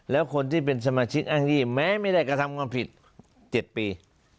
แล้วคนที่เป็นสมาชิกอ้างยี่แม้ไม่ได้กระทำความผิด๗ปี